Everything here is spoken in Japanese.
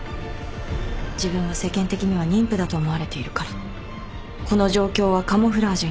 自分は世間的には妊婦だと思われているからこの状況はカムフラージュになる。